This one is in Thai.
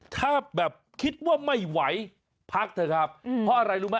ถ้าแบบคิดว่าไม่ไหวพักเถอะครับเพราะอะไรรู้ไหม